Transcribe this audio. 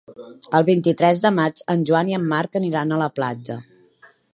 El vint-i-tres de maig en Joan i en Marc aniran a la platja.